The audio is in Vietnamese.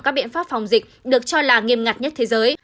các biện pháp phòng dịch được cho là nghiêm ngặt nhất thế giới